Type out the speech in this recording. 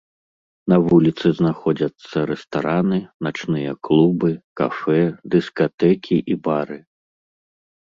На вуліцы знаходзяцца рэстараны, начныя клубы, кафэ, дыскатэкі і бары.